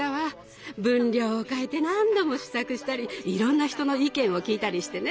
分量を変えて何度も試作したりいろんな人の意見を聞いたりしてね。